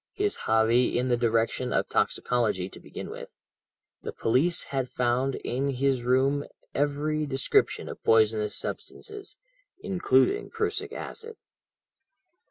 His hobby in the direction of toxicology, to begin with. The police had found in his room every description of poisonous substances, including prussic acid.